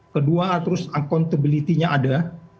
kedua terus accountability nya ada